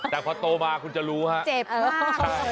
แต่พอโตมาคุณจะรู้ฮะ